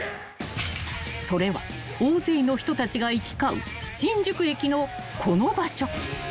［それは大勢の人たちが行き交う新宿駅のこの場所］